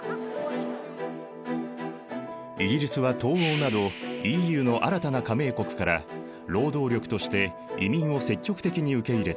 イギリスは東欧などＥＵの新たな加盟国から労働力として移民を積極的に受け入れた。